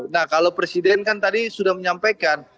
nah kalau presiden kan tadi sudah menyampaikan